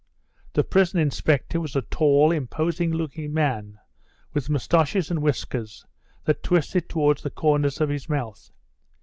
The prison inspector was a tall, imposing looking man, with moustaches and whiskers that twisted towards the corners of his mouth.